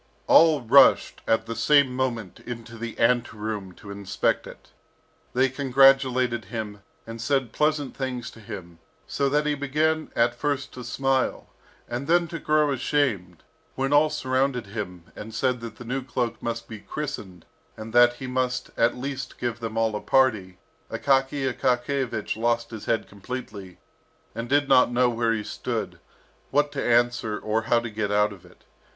All rushed at the same moment into the ante room to inspect it. They congratulated him, and said pleasant things to him, so that he began at first to smile, and then to grow ashamed. When all surrounded him, and said that the new cloak must be "christened," and that he must at least give them all a party, Akaky Akakiyevich lost his head completely, and did not know where he stood, what to answer, or how to get out of it.